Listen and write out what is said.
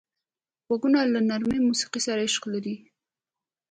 غوږونه له نرمه موسیقۍ سره عشق لري